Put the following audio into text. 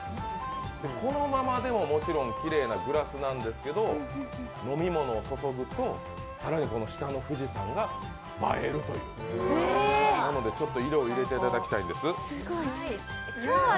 このままでももちろんきれいなグラスなんですけど飲み物を注ぐと、更にこの下の富士山が映えるという、ちょっと色を入れていただきたいんです。